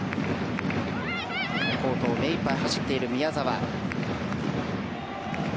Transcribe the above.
コートを目いっぱい走っている宮澤。